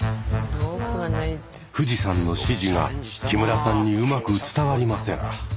冨士さんの指示が木村さんにうまく伝わりません。